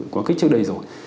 quá khích trước đây rồi